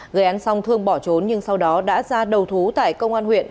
gây án xong thương bỏ trốn nhưng sau đó đã ra đầu thú tại công an huyện